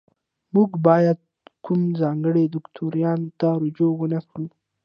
موږ باید کوم ځانګړي دوکتورین ته رجوع ونکړو.